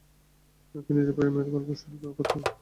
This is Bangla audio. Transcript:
নাকি নিজের প্রেমের গল্প শুরু করতে?